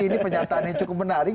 ini pernyataannya cukup menarik